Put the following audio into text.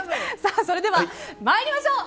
それでは、参りましょう！